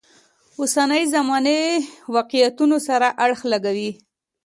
اوسنۍ زمانې واقعیتونو سره اړخ لګوي.